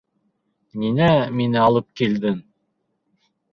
— Ниңә мине алып килдең?